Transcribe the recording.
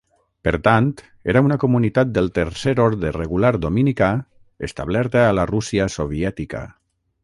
Per tant era una comunitat del Tercer Orde Regular Dominicà establerta a la Rússia soviètica.